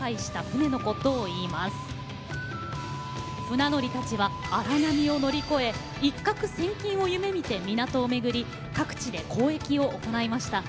船乗りたちは荒波を乗り越え一攫千金を夢みて港を巡り各地で交易を行いました。